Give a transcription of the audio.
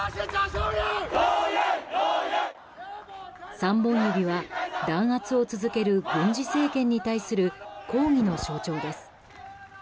３本指は弾圧を続ける軍事政権に対する抗議の象徴です。